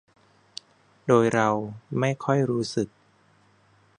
โดยเราไม่ค่อยรู้สึก